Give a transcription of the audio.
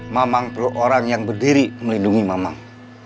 mamang perlu orang yang berdiri melindungi mamang